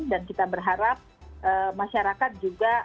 dan kita berharap masyarakat juga